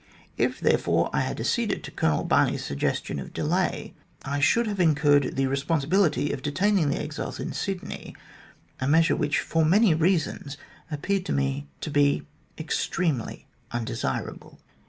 If, therefore, I had acceded to Colonel Barney's suggestion of delay, I should have incurred the responsibility of detaining the exiles in Sydney ; a measure which, for many reasons, appeared to me to be extremely undesirable."